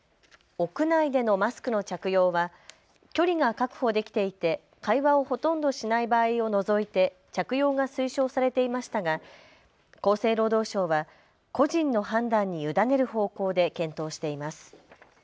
屋内でのマスクの着用は距離が確保できていて会話をほとんどしない場合を除いて着用が推奨されていましたが厚生労働省は個人の判断に委ねる方向で検討しています。